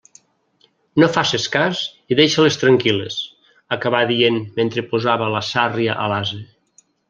«No faces cas i deixa-les tranquil·les», acabà dient mentre posava la sàrria a l'ase.